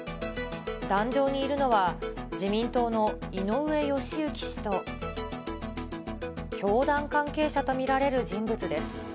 壇上にいるのは、自民党の井上義行氏と、教団関係者と見られる人物です。